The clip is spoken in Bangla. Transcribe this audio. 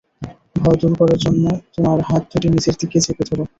ভয় দূর করবার জন্য তোমার হাত দুটি নিজের দিকে চেপে ধর।